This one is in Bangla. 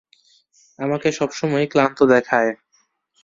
আমাকে সবসময়ই ক্লান্ত দেখায়।